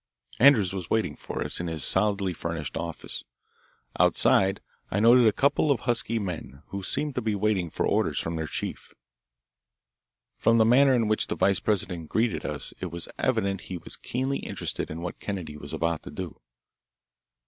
Andrews was waiting for us in his solidly furnished office. Outside I noted a couple of husky men, who seemed to be waiting for orders from their chief. From the manner in which the vice president greeted us it was evident that he was keenly interested in what Kennedy was about to do.